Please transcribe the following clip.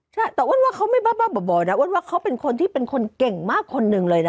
ใช่แต่ว่าว่าเค้าไม่บ้าบ้าบ่อยแต่ว่าว่าเค้าเป็นคนที่เป็นคนเก่งมากคนนึงเลยนะ